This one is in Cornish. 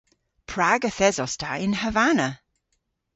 Prag yth esos ta yn Havana?